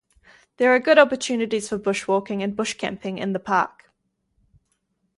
There are good opportunities for bushwalking and bushcamping in the park.